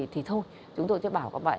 thì thôi chúng tôi sẽ bảo các bạn